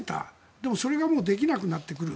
でもそれがもうできなくなってくる。